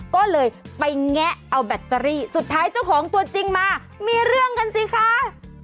ก็เลยไปแงะเอาแบตเตอรี่สุดท้ายเจ้าของตัวจริงมามีเรื่องกันสิคะ